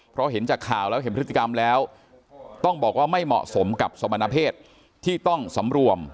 เพราะเห็นจากข่าวแล้วเห็นพฤติกรรมแล้วต้องบอกว่าไม่เหมาะสมกับสมณเพศที่ต้องสำรวม